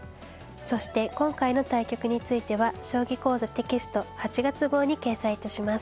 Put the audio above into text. そして今回の対局については「将棋講座」テキスト８月号に掲載致します。